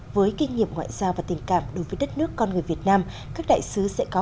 với kinh nghiệm ngoại giao và tình cảm đối với đất nước con người việt nam các đại sứ sẽ có